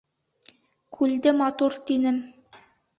Күлде матур тинем.